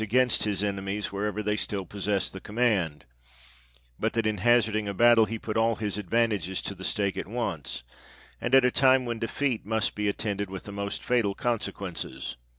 against his enemies wherever they still possessed the command ; but that in hazarding a battle, he put all his advantages to the stake at once, at a time when a defeat must be attended with the most fatal conse quences.